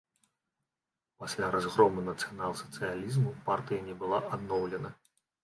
Пасля разгрому нацыянал-сацыялізму партыя не была адноўлена.